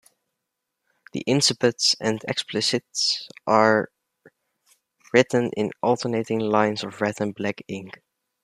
The incipits and explicits are written in alternating lines of red and black ink.